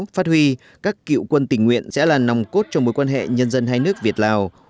phát huy các cựu quân tình nguyện sẽ là nòng cốt trong mối quan hệ nhân dân hai nước việt lào